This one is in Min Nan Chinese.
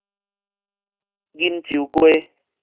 錦州街